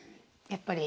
やっぱり。